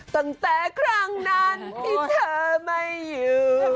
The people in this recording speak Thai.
ตั้งแต่ครั้งนั้นที่เธอไม่อยู่